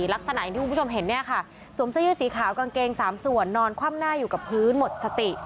ลักษณะอย่างที่คุณผู้ชมเห็นเนี่ยค่ะสวมเสื้อยืดสีขาวกางเกงสามส่วนนอนคว่ำหน้าอยู่กับพื้นหมดสติ